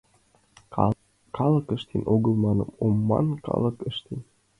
Калык ыштен огыл манын ом ман, калык ыштен.